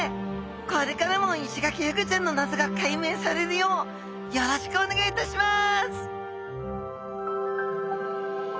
これからもイシガキフグちゃんの謎が解明されるようよろしくお願いいたします！